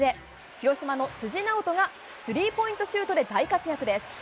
広島の辻直人が、スリーポイントシュートで大活躍です。